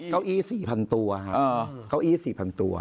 เก้าอี้๔๐๐๐ตัว